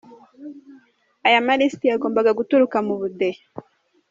Aya malisiti yagombaga guturuka mu budehe.